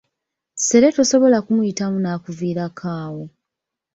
Ssere tosobola kumuyitamu n’akuviirako awo.